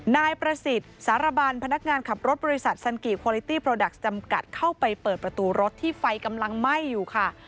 นายประสิทธิ์สารบันพนักงานขับรถบริษัทซันกิโคลิตี้โปรดักต์จำกัดเข้าไปเปิดประตูรถที่ไฟกำลังไหม้อยู่ค่ะ